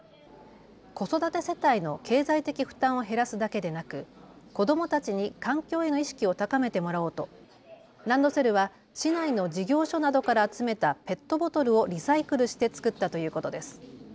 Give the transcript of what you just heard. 子育て世帯の経済的負担を減らすだけでなく子どもたちに環境への意識を高めてもらおうとランドセルは市内の事業所などから集めたペットボトルをリサイクルして作ったということです。